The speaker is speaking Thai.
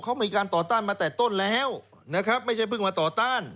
เขามีการต่อต้านมาแต่ต้นแล้วนะครับไม่ใช่เพิ่งมาต่อต้าน